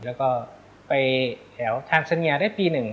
แล้วก็ไปแถวทางสัญญาได้ปีหนึ่ง